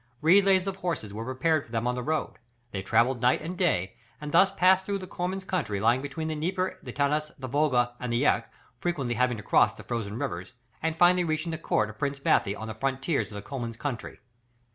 Relays of horses were prepared for them on the road, they travelled night and day, and thus passed through the Comans' country lying between the Dnieper, the Tanais, the Volga, and the Yaik, frequently having to cross the frozen rivers, and finally reaching the court of Prince Bathy on the frontiers of the Comans' country.